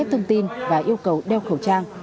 các bộ phòng an ninh đều yêu cầu đeo khẩu trang